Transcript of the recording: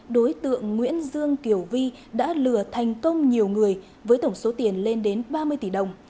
đối tượng nguyễn dương kiều vi đã lừa thành công nhiều người với tổng số tiền lên đến ba mươi tỷ đồng